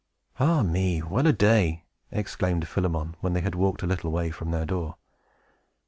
"Ah me! Well a day!" exclaimed Philemon, when they had walked a little way from their door.